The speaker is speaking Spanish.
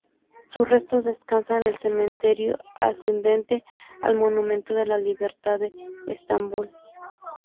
Sus restos descansan el cementerio adyacente al Monumento de la Libertad en Estambul.